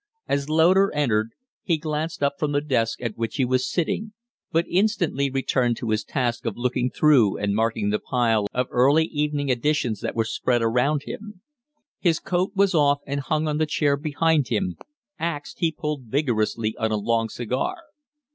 As Loder entered he glanced up from the desk at which he was sitting, but instantly returned to his task of looking through and marking the pile of early evening editions that were spread around him. His coat was off and hung on the chair behind him, axed he pulled vigorously on a long cigar.